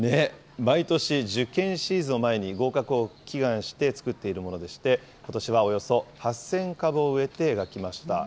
毎年、受験シーズンを前に合格を祈願して作っていたものでして、ことしはおよそ８０００株を植えて描きました。